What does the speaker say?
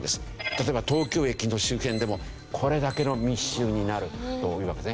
例えば東京駅の周辺でもこれだけの密集になるというわけですね。